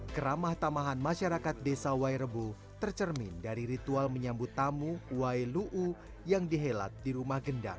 keramah tamahan masyarakat desa wairebo tercermin dari ritual menyambut tamu wailuu yang dihelat di rumah gendang